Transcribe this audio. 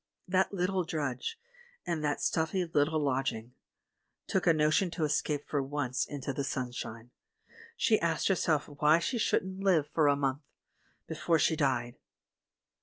That little drudge, in that little stuffy lodging, took a notion to escape for once into the sunshine; she asked herself why she shouldn't live for a month — before she died